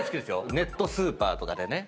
ネットスーパーとかでね